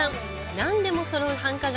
何でもそろう繁華街